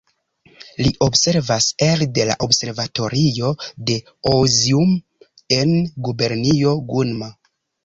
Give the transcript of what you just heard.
Li observas elde la observatorio de Ooizumi en gubernio Gunma.